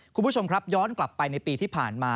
คุณผู้ชมครับย้อนกลับไปในปีที่ผ่านมา